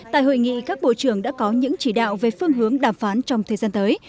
tại hội nghị các bộ trưởng đã có những chỉ đạo về phương hướng đàm phán trong thời gian tới